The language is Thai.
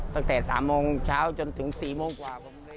ตั้งแต่๓โมงเช้าจนถึง๔โมงกว่า